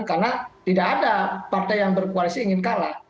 karena tidak ada partai yang berkoalisi ingin kalah